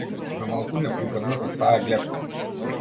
За малку не припаднав од таа глетка.